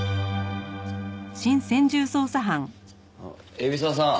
海老沢さん